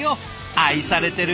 愛されてる！